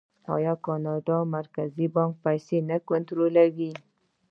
آیا د کاناډا مرکزي بانک پیسې نه کنټرولوي؟